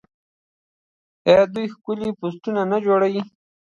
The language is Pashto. آیا دوی ښکلي پوسټرونه نه جوړوي؟